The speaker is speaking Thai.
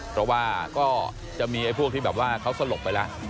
เพราะว่าก็จะมีพวกที่แบบว่าเขาสลบไปแล้ว